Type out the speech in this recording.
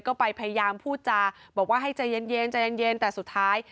ก็ไปพยายามพูดจาบอกว่าให้ใจเย็นใจเย็นแต่สุดท้าย